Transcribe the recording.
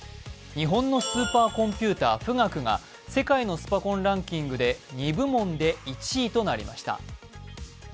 日本のスーパーコンピュータ、富岳が世界のスパコンランキングで２部門で１位となりました。